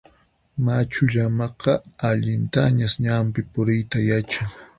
Machu llamaqa allintañas ñanpi puriyta yachan.